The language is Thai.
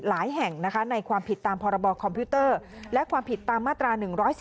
หลายแห่งในความผิดตามพรบคอมพิวเตอร์และความผิดตามมาตรา๑๔